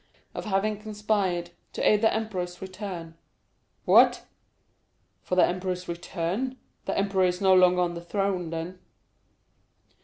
"Of having conspired to aid the emperor's return." "What! For the emperor's return?—the emperor is no longer on the throne, then?"